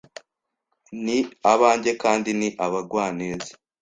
ni abanjye kandi ni abagwaneza